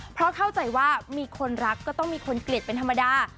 เพราะเข้าใจว่ามีคนรักก็ต้องมีคนเกลียดเป็นธรรมดา